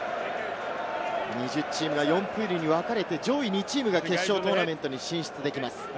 ２０チームが４プールにわかれて上位２チーム決勝トーナメントに進出できます。